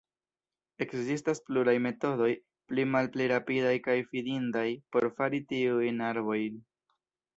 Ekzistas pluraj metodoj, pli malpli rapidaj kaj fidindaj, por fari tiujn arbojn.